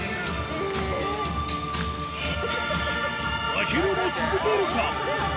まひるも続けるか？